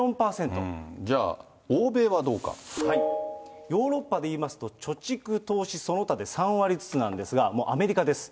じゃあ、ヨーロッパでいいますと、貯蓄、投資、その他で３割ずつなんですが、アメリカです。